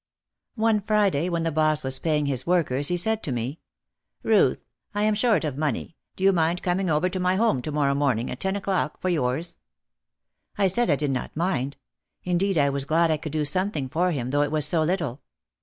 One Friday when the boss was paying his workers he said to me, "Ruth, I am short of money. Do you mind coming over to my home to morrow morning at ten o'clock for yours?" I said I did not mind. Indeed I was glad I could do something for him though it was so little.